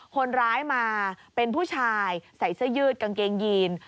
คนร้ายมาเป็นผู้ชายใส่เสื้อยืดกางเกงยีน